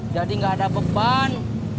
jadi gak ada beban